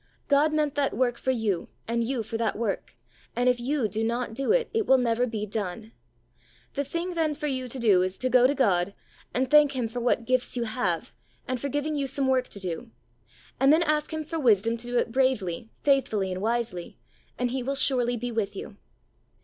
God meant that work for you and you for that work, and if you do not do it, it will never be done. The thing then for you to do is to go to God and thank Him for what gifts you have and for giving you some work to do, and then ask Him for wisdom to do it bravely, faithfully and wisely, and He will surely be with you.